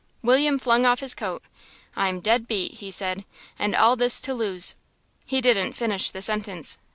William flung off his coat. "I'm dead beat," he said, "and all this to lose " He didn't finish the sentence.